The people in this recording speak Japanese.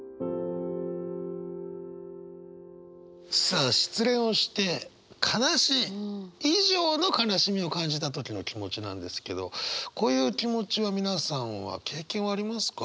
さあ失恋をして悲しい以上の悲しみを感じた時の気持ちなんですけどこういう気持ちは皆さんは経験はありますか？